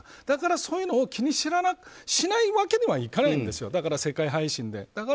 だからそういうのを気にしないわけにはいかないんですよ、世界配信で。